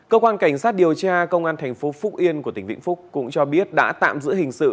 cơ quan cảnh sát điều tra công an tp hcm của tỉnh vĩnh phúc cũng cho biết đã tạm giữ hình sự